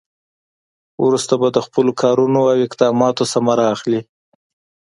وروسته به د خپلو کارونو او اقداماتو ثمره اخلي.